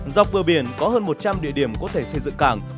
dọc vừa biển có hơn một trăm linh địa điểm có thể xây dựng cảng